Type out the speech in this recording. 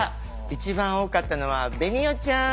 一番多かったのは紅緒ちゃん。